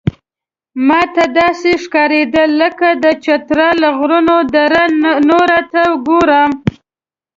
ماته داسې ښکارېدل لکه د چترال له غرونو دره نور ته ګورم.